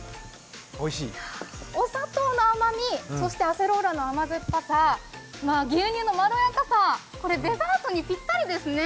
お砂糖の甘み、アセローラの甘酸っぱさ牛乳のまろやかさデザートのぴったりですね！